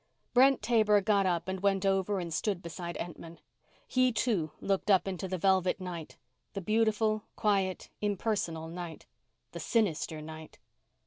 Brent Taber got up and went over and stood beside Entman. He, too, looked up into the velvet night; the beautiful, quiet, impersonal night. The sinister night.